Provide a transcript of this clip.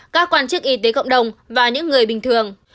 các quan chức y tế cộng đồng và những người bình thường